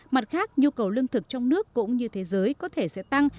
mặt khác nhu cầu lương thực trong nước cũng như thế giới có thể sẽ tăng